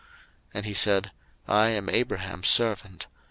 01:024:034 And he said, I am Abraham's servant.